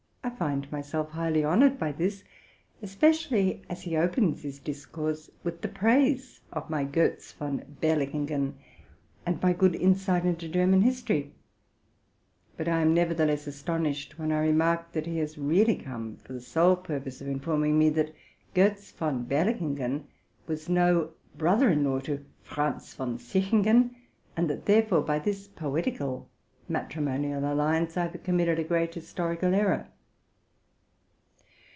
I considered myself highly honored by this, espec ially when he opened his discourse with the praise of my '* Gotz von Berlichingen,'' and my good insight into German history ; but I was nevertheless astonished when I perceived that he had really come for the sole purpose of informing me that Gotz von Berlichingen was not a brother in law to Franz von Sichingen, and that therefore, by this poetical matrimonial alliance, I have committed a great historical error.